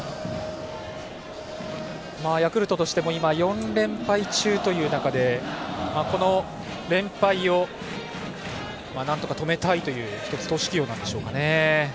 ヤクルトとしても今、４連敗中という中でこの連敗をなんとか止めたいという１つ、投手起用なんでしょうかね。